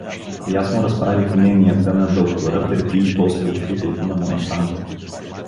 И аз му разправих мненията на доктора преди и после откритието на моя сан.